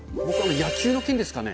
野球の件ですかね。